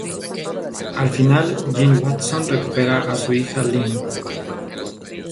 Al final Gene Watson recupera a su hija Lynn.